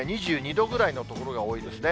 ２２度ぐらいの所が多いですね。